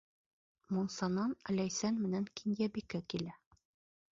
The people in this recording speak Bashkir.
Мунсанан Ләйсән менән Кинйәбикә килә.